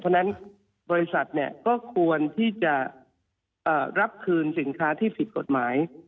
เพราะฉะนั้นบริษัทก็ควรที่จะรับคืนสินค้าที่ผิดกฎหมาย